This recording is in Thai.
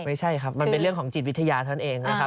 ไม่ใช่ครับมันเป็นเรื่องของจิตวิทยาเท่านั้นเองนะครับ